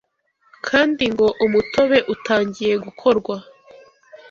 kandi ngo umutobe utangiye gukorwa